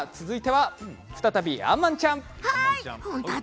続いては再びあんまんちゃん。